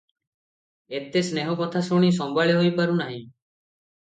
ଏତେ ସ୍ନେହ କଥା ଶୁଣି ସମ୍ଭାଳି ହୋଇ ପାରୁ ନାହିଁ ।